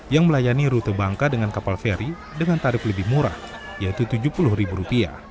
yang melayani rute bangka dengan kapal feri dengan tarif lebih murah yaitu rp tujuh puluh